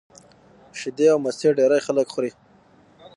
شیدې او مستې ډېری خلک خوري